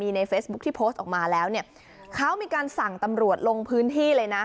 ในเฟซบุ๊คที่โพสต์ออกมาแล้วเนี่ยเขามีการสั่งตำรวจลงพื้นที่เลยนะ